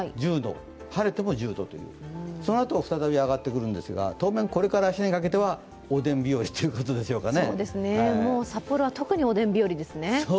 晴れても１０度と、そのあと再び上がってくるんですが当面これから明日にかけてはおでん日和ということでしょうかね。